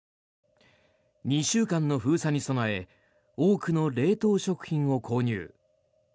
２週間の封鎖に備え多くの冷凍食品を購入。